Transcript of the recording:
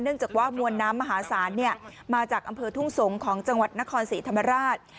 จากว่ามวลน้ำมหาศาลมาจากอำเภอทุ่งสงศ์ของจังหวัดนครศรีธรรมราช